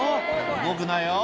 動くなよ。